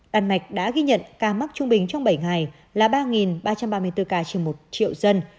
đan mạch đã ghi nhận ca mắc trung bình trong bảy ngày là ba ba trăm ba mươi bốn ca trên một triệu dân